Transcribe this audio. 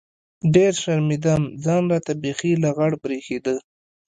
ډېر شرمېدم ځان راته بيخي لغړ بريښېده.